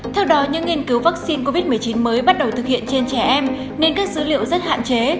theo đó những nghiên cứu vaccine covid một mươi chín mới bắt đầu thực hiện trên trẻ em nên các dữ liệu rất hạn chế